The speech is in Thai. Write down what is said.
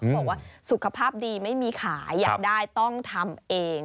บอกว่าสุขภาพดีไม่มีขายอยากได้ต้องทำเอง